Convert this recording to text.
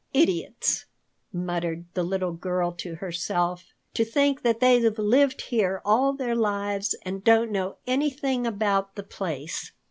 "Idiots!" muttered the little girl to herself. "To think that they've lived here all their lives and don't know anything about the place!"